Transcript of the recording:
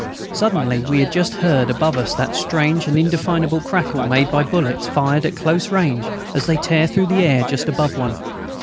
Suddenly we had just heard above us that strange and indefinable crackle made by bullets fired at close range as they tear through the air just above one.